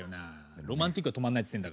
ロマンティックが止まらないっつってんだから。